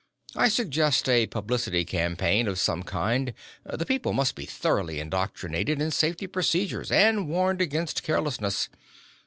I suggest a publicity campaign of some kind. The people must be thoroughly indoctrinated in safety procedures and warned against carelessness.